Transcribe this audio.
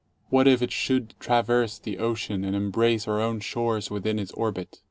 What if it should traverse the ocean and em brace our own shores within its orbit?